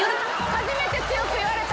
初めて強く言われた。